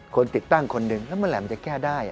คนติดตั้งคนหนึ่งแล้วเมื่อไหร่มันจะแก้ได้